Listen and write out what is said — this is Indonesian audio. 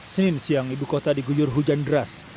senin siang ibu kota diguyur hujan deras